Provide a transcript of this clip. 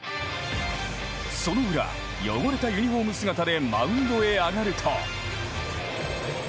その裏、汚れたユニホーム姿でマウンドへ上がると。